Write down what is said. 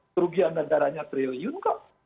kerugian negaranya triliun kok